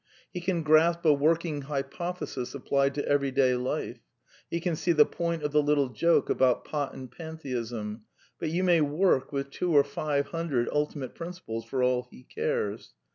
He can grasp a working hypothesis applied to everyday life; he can see the point of the little joke about Pot and Pantheism ; but you may "work" with two or five hundred ultimate principles for all he cares.